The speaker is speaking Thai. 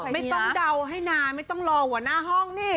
ไม่ต้องเดาให้นานไม่ต้องรอหัวหน้าห้องนี่